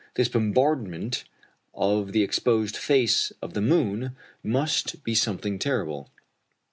This bombardment of the exposed face of the moon must be something terrible.